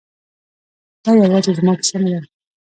دا یوازې زما کیسه نه ده